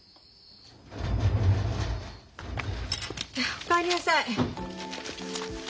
お帰りなさい。